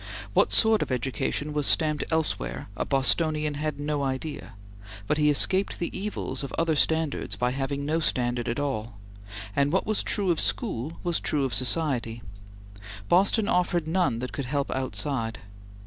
What sort of education was stamped elsewhere, a Bostonian had no idea, but he escaped the evils of other standards by having no standard at all; and what was true of school was true of society. Boston offered none that could help outside.